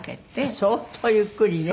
相当ゆっくりね。